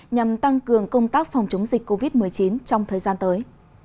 nhằm tăng cường công tác phòng chống dịch covid một mươi chín trong thời gian tới